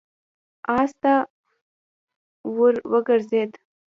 آس ته ور وګرځېد.